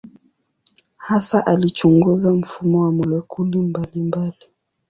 Hasa alichunguza mfumo wa molekuli mbalimbali.